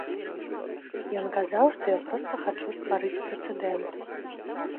Ён сказаў, што я проста хачу стварыць прэцэдэнт.